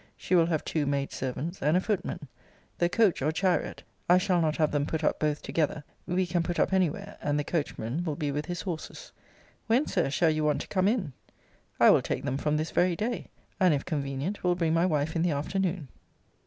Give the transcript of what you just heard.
She will have two maid servants and a footman. The coach or chariot (I shall not have them put up both together) we can put up any where, and the coachman will be with his horses. When, Sir, shall you want to come in? I will take them from this very day; and, if convenient, will bring my wife in the afternoon.